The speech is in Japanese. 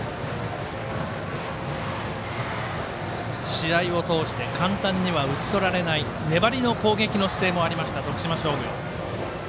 試合を通して簡単には打ち取られない粘りの攻撃の姿勢もありました徳島商業。